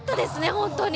本当に。